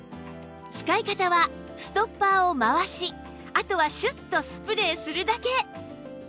使い方はストッパーを回しあとはシュッとスプレーするだけ！